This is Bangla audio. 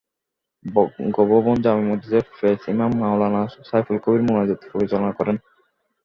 বঙ্গভবন জামে মসজিদের পেশ ইমাম মাওলানা সাইফুল কবির মোনাজাত পরিচালনা করেন।